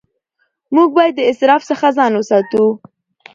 موږ باید د اسراف څخه ځان وساتو